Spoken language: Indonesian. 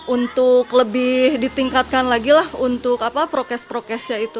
untuk lebih ditingkatkan lagi lah untuk prokes prokesnya itu